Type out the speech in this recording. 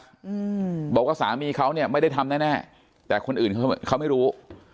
อืมบอกว่าสามีเขาเนี้ยไม่ได้ทำแน่แน่แต่คนอื่นเขาเขาไม่รู้